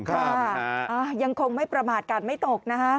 ค่ะยังคงไม่ประมาทกาดไม่ตกนะคะ